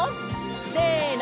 せの！